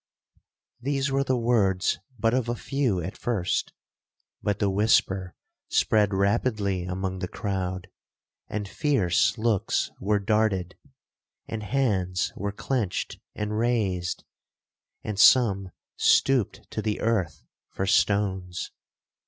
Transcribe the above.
These were the words but of a few at first, but the whisper spread rapidly among the crowd; and fierce looks were darted, and hands were clenched and raised, and some stooped to the earth for stones.